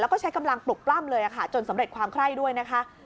แล้วก็ใช้กำลังปลุกปล้ำเลยค่ะจนสำเร็จความไคร้ด้วยนะคะ